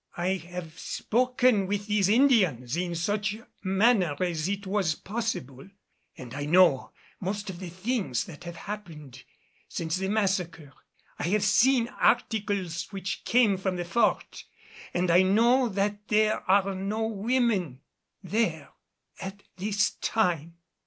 I have spoken with these Indians in such manner as it was possible, and I know most of the things that have happened since the massacre. I have seen articles which came from the Fort, and I know that there are no women there at this time.